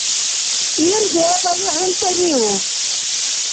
Ил дебали хӀунтӀениуб.